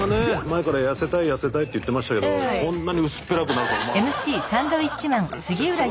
前から痩せたい痩せたいって言ってましたけどこんなに薄っぺらくなるとは思わなかった。